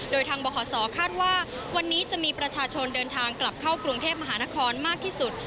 โดยทางบขคาดว่าวันนี้จะมีประชาชนเดินทางกลับเข้ากรุงเทพมหานครมากที่สุด